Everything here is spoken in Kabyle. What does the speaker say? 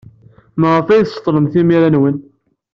Maɣef ay tseḍḍlem timira-nwen?